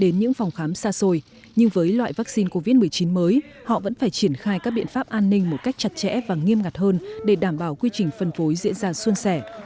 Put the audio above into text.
đến những phòng khám xa xôi nhưng với loại vaccine covid một mươi chín mới họ vẫn phải triển khai các biện pháp an ninh một cách chặt chẽ và nghiêm ngặt hơn để đảm bảo quy trình phân phối diễn ra xuân sẻ